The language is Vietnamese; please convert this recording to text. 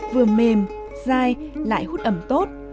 vừa mềm dai lại hút ẩm tốt